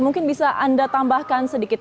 mungkin bisa anda tambahkan sedikit